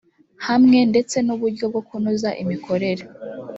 hamwe ndetse n’uburyo bwo kunoza imikorere